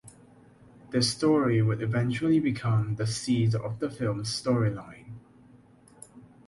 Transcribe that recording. This story would eventually become the seed of the film’s storyline.